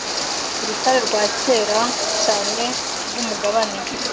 Urutare rwa kera cyane rwumugabane